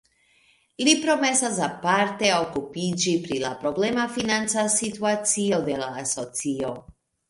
Li promesas aparte okupiĝi pri la problema financa situacio de la asocio.